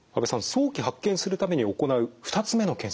早期発見するために行う２つ目の検査何でしょうか？